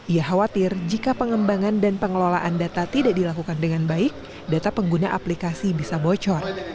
ia khawatir jika pengembangan dan pengelolaan data tidak dilakukan dengan baik data pengguna aplikasi bisa bocor